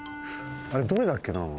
あれどれだっけなあ。